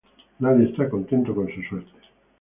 Nadie esta contento con su suerte.